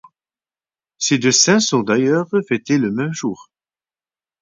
Ces deux saints sont d'ailleurs fêtés le même jour.